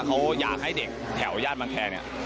เขาอยากให้เด็กแถวย่านบังแคร